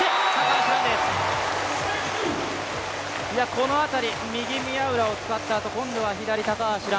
この辺り、右、宮浦を使ったあと今度は左、高橋藍。